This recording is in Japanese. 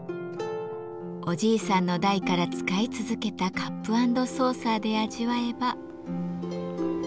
おじいさんの代から使い続けたカップ・アンド・ソーサーで味わえば。